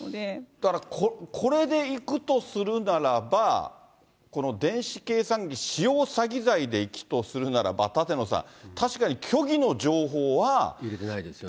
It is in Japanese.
だから、これでいくとするならば、この電子計算機使用詐欺罪で起訴するならば、舘野さん、入れてないですよね。